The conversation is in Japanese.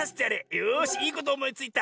よしいいことおもいついた！』」。